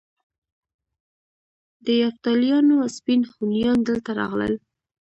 د یفتلیانو سپین هونیان دلته راغلل